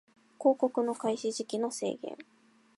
広告の開始時期の制限